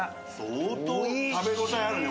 相当食べ応えあるね。